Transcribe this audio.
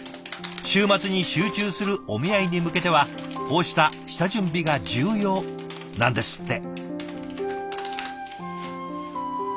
週末に集中するお見合いに向けてはこうした下準備が重要なんですって。